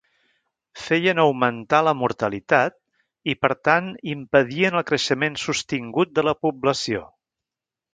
Feien augmentar la mortalitat i, per tant, impedien el creixement sostingut de la població.